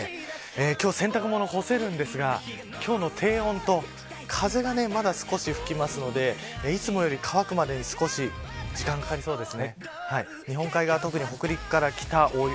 今日は、洗濯物干せるんですが今日の低温と風がまだ少し吹きますのでいつもより乾くまでに少し時間がかかりそうです。